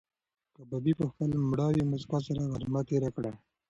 کبابي په خپله مړاوې موسکا سره غرمه تېره کړه.